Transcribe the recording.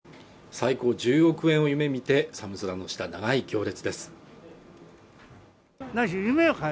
最高１０億円を夢見て寒空の下長い行列です